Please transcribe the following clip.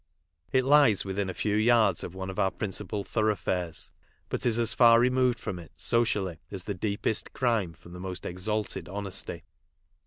It lies within a few yards of one of our principal thoroughfares, but is as far removed from it, socially, as the deepest crime from the most exalted honesty.